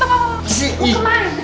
mau kemana sih